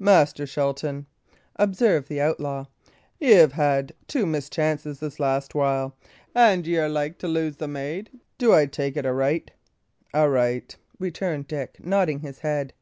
"Master Shelton," observed the outlaw, "y' 'ave had two mischances this last while, and y' are like to lose the maid do I take it aright?" "Aright!" returned Dick, nodding his head.